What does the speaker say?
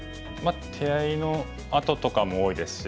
手合のあととかも多いですし。